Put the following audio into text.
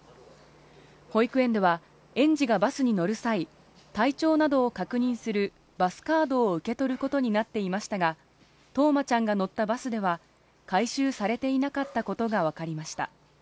保育園では園児がバスに乗る際、体調などを確認するバスカードを受け取ることになっていましたが、冬生ちゃんが乗ったバスでは回収されていなかったことが分かりました。